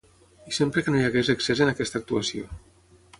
I sempre que no hi hagués excés en aquesta actuació.